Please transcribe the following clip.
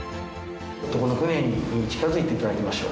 この船に近づいていただきましょう。